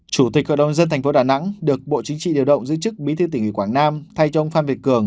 chủ tịch hội đồng dân thành phố đà nẵng được bộ chính trị điều động giữ chức bí thư tỉnh ủy quảng nam thay cho ông phan việt cường